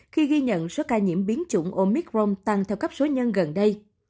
khi ghi nhận số ca nhiễm biến chủng omicron tăng theo cấp số nhân gần đây